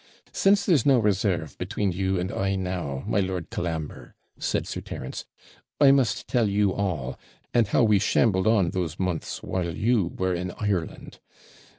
Since there's no reserve between you and I now, my Lord Colambre,' said Sir Terence, 'I must tell you all, and how we shambled on those months while you were in Ireland.